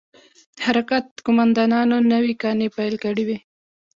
د حرکت قومندانانو نوې کانې پيل کړې وې.